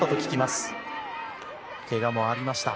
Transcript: けがもありました。